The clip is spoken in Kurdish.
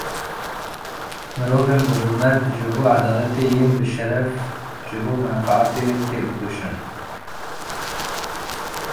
Mirovên birûmet ji bo edaletê yên bêşeref ji bo menfaetê têdikoşin.